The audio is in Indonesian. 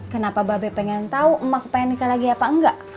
kenapa babe pengen tahu emak pengen nikah lagi apa enggak